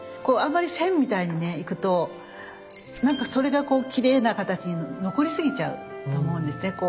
こうあんまり線みたいにいくとなんかそれがこうきれいな形に残りすぎちゃうと思うんですね。